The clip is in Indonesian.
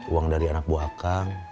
uang dari anak buah akang